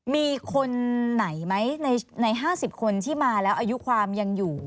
มีคนไหนไหมใน๕๐คนที่มาแล้วอายุความยังอยู่